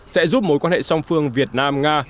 sẽ giúp mối quan hệ song phương việt nam nga